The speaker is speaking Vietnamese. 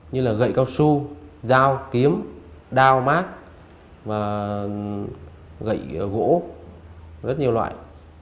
như là gậy cao su dao kiếm đao mát và gậy gỗ rất nhiều loại